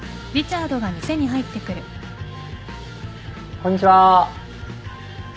こんにちは。